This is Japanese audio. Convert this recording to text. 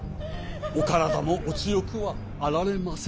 お体もお強くはあられませず。